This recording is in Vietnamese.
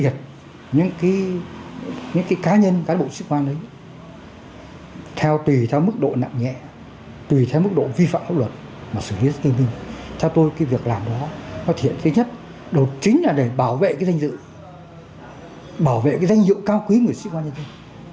chính là để bảo vệ cái danh dự bảo vệ cái danh dự cao quý người sĩ quan nhân dân